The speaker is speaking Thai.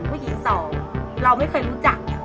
ผู้หญิงสองเราไม่เคยรู้จัก